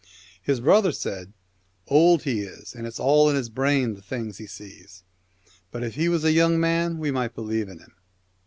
His brother said, ' Old he is, and it's all in his brain the things he sees. If he was a young man we might believe in him.'